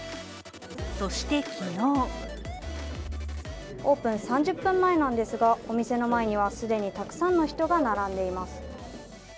そして昨日オープン３０分前なんですが、お店の前には既にたくさんの人が並んでいます。